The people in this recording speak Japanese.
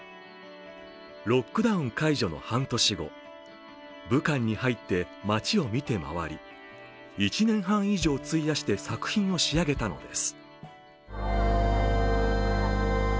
ロックダウン解除の半年後武漢に入って街を見て回り１年半以上を費やして作品を仕上げたのです。